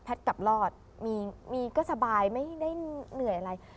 กลับรอดมีก็สบายไม่ได้เหนื่อยอะไร